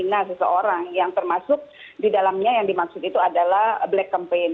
cara cara menghina seseorang yang termasuk di dalamnya yang dimaksud itu adalah black campaign